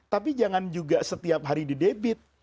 tapi jangan juga setiap hari di debit